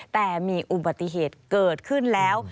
แต่มีอุบัติเหตุเกิดขึ้นแล้ว